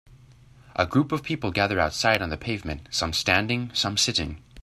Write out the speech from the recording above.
A group of people gather outside on the pavement, some standing, some sitting.